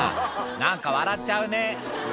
何か笑っちゃうね」